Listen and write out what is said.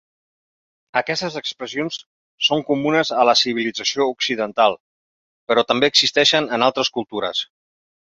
Aquestes expressions són comunes a la civilització occidental, però també existeixen en altres cultures.